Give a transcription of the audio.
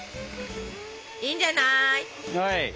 いいんじゃない。